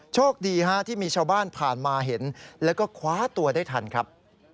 โชคดีที่มีชาวบ้านผ่านมาเห็นแล้วก็คว้าตัวได้ทันครับ